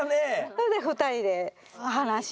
それで２人で話しに行って。